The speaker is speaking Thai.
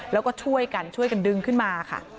แล้วก็ช่วยกันช่วยกันดึงขึ้นมาค่ะ